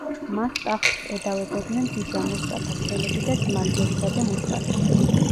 მას ტახტს ედავებოდნენ ბიძა, მუსტაფა ჩელები და ძმა, შეჰზადე მუსტაფა.